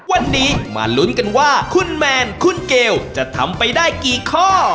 วันนี้มาลุ้นกันว่าคุณแมนคุณเกลจะทำไปได้กี่ข้อ